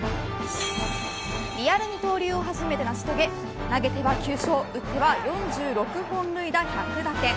リアル二刀流を初めて成し遂げ投げては９勝打っては４６本塁打、１００打点。